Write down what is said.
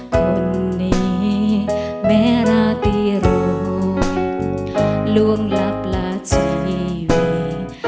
คนนี้แม่ราตรีรู้ล่วงลับลาชีวิต